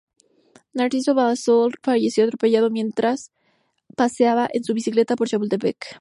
Narciso Bassols falleció atropellado mientras paseaba en su bicicleta por Chapultepec.